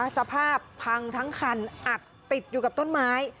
สภาพพังทั้งคันอัดติดอยู่กับต้นไม้